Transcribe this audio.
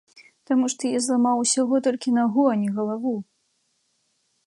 Таму што я зламаў усяго толькі нагу, а не галаву!